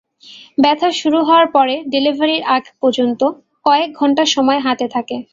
ব্যথা শুরু হওয়ার পরে ডেলিভারির আগে পর্যন্ত কয়েক ঘণ্টা সময় হাতে থাকে।